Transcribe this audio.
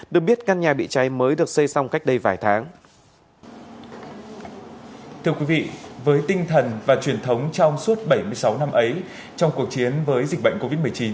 thưa quý vị với tinh thần và truyền thống trong suốt bảy mươi sáu năm ấy trong cuộc chiến với dịch bệnh covid một mươi chín